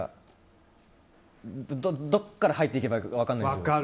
どこから入っていけばいいかが分からないんですよ。